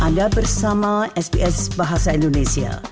anda bersama sps bahasa indonesia